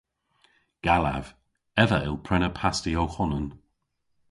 Gallav. Ev a yll prena pasti ow honan.